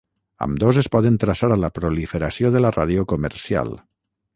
Ambdós es poden traçar a la proliferació de la ràdio comercial.